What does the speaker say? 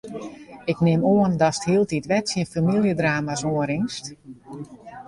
Ik nim oan datst hieltyd wer tsjin famyljedrama's oanrinst?